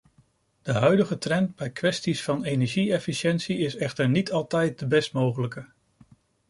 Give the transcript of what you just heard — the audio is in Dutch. De huidige trend bij kwesties van energie-efficiëntie is echter niet altijd de best mogelijke.